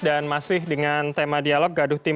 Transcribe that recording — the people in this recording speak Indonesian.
saya ingin mengucapkan terima kasih kepada pak iman